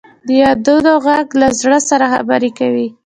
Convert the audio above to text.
د یادونو ږغ له زړه سره خبرې کوي.